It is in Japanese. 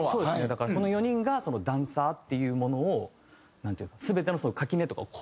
だからこの４人がダンサーっていうものをなんていうか全ての垣根とかを超えて。